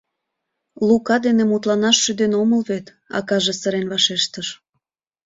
— Лука дене мутланаш шӱден омыл вет, — акаже сырен вашештыш.